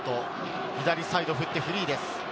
左サイドにくだってフリーです。